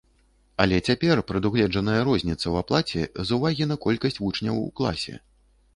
Але цяпер прадугледжаная розніца ў аплаце з увагі на колькасць вучняў у класе.